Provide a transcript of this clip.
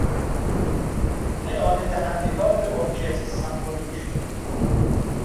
اعانه دهندگان به ارکستر سمفونیک